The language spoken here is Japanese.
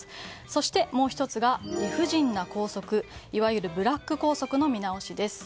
そしてもう１つが理不尽な校則いわゆるブラック校則の見直しです。